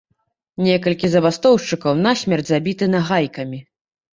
Некалькі забастоўшчыкаў насмерць забіты нагайкамі.